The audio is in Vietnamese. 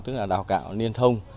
tức là đào tạo liên thông